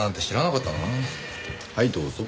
はいどうぞ。